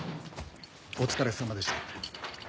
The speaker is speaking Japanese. お疲れさまでした。